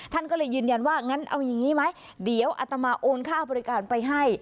ท่านก็เลยยืนยันว่างั้นเอาอย่างนี้ไหมเดี๋ยวอัตมาโอนค่าบริการไปให้